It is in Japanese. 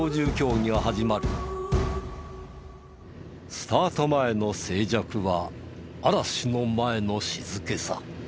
スタート前の静寂は嵐の前の静けさ。